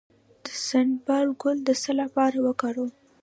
د سنبل ګل د څه لپاره وکاروم؟